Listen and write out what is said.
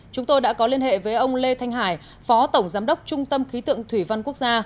chúng tôi đã có liên hệ với ông lê thanh hải phó tổng giám đốc trung tâm khí tượng thủy văn quốc gia